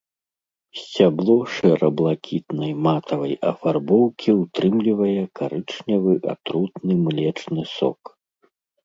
Сцябло шэра-блакітнай матавай афарбоўкі ўтрымлівае карычневы атрутны млечны сок.